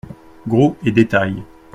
Gros et détail.